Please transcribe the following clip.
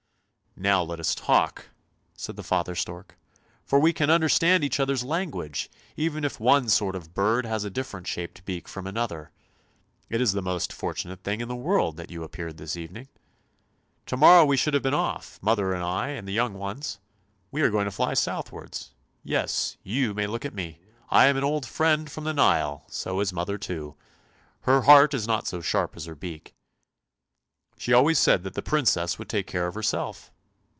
"Now let us talk!" said the father stork; "for we can understand each other's language, even if one sort of bird has a different shaped beak from another. It is the most fortunate thing in the world that you appeared this evening. To morrow we should have been off, mother and I and the young ones. We are going to fly southwards. Yes, you may look at me! I am an old friend from the Nile, so is mother too ; her heart is not so sharp as her beak! She always said that the Princess would take care of herself!